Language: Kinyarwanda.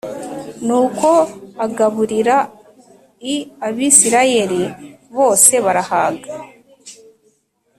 Nuko agaburira l Abisirayeli bose barahaga.